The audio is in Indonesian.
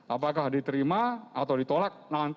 apakah diterima atau ditolak